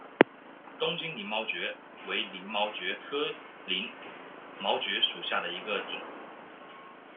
东京鳞毛蕨为鳞毛蕨科鳞毛蕨属下的一个种。